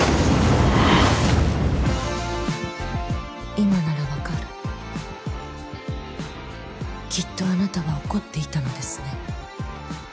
今なら分かるきっとあなたは怒っていたのですね